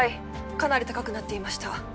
かなり高くなっていました。